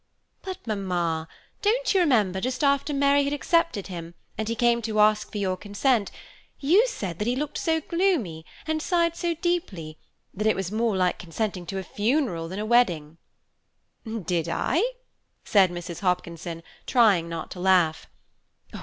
"But, mamma, don't you remember just after Mary had accepted him, and he came to ask for your consent, you said that he looked so gloomy, and sighed so deeply, that it was more like consenting to a funeral than a wedding?" "Did I?" said Mrs. Hopkinson, trying not to laugh.